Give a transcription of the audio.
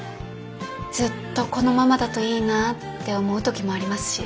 ずっとこのままだといいなぁって思う時もありますし。